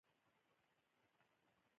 بزګرانو په خپلو غواګانو او اوسپنو کار کاوه.